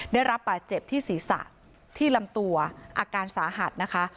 ได้รับบาดเจ็บที่ศีรษะที่ลำตัวอาการสาหัสนะคะ